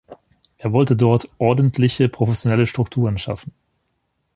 Er wolle dort „ordentliche, professionelle Strukturen schaffen“.